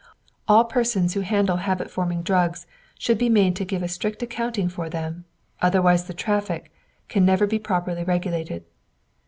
All persons who handle habit forming drugs should be made to give a strict accounting for them, otherwise the traffic can never be properly regulated.